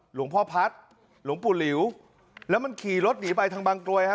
หลวงพ่อพัฒน์หลวงปู่หลิวแล้วมันขี่รถหนีไปทางบางกรวยฮะ